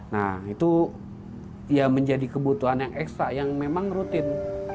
nah itu ya menjadi kebutuhan yang ekstra yang memang rutin